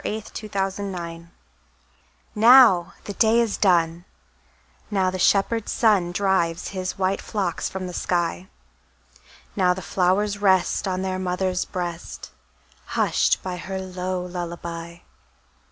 Louisa May Alcott Lullaby NOW the day is done, Now the shepherd sun Drives his white flocks from the sky; Now the flowers rest On their mother's breast, Hushed by her low lullaby.